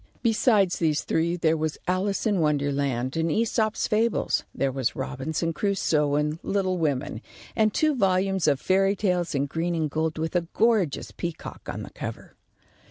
Besides these three, there was "Alice in Wonderland," and "Æsop's Fables," there was "Robinson Crusoe," and "Little Women," and two volumes of fairy tales in green and gold with a gorgeous peacock on the cover.